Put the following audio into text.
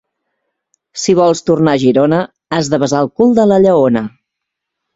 Si vols tornar a Girona, has de besar el cul de la lleona.